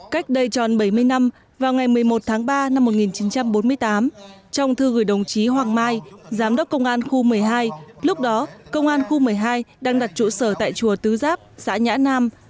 cách đây tròn bảy mươi năm vào ngày một mươi một tháng ba năm một nghìn chín trăm bốn mươi tám trong thư gửi đồng chí hoàng mai giám đốc công an khu một mươi hai lúc đó công an khu một mươi hai đang đặt trụ sở tại chùa tứ giáp xã nhã nam